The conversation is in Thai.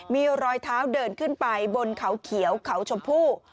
มีรอยเท้าเดินขึ้นไปบนเขาเขียวเขาชมพู่